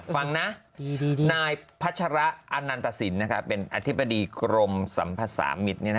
ฟังนะนายพัชระอนันตสินเป็นอธิบดีกรมสัมภาษามิตร